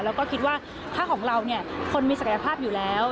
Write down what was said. แล้วก็คิดว่าถ้าของเราเนี่ยคนมีศักยภาพอยู่แล้ว